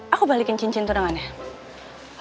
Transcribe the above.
aku balikin cincin turnangannya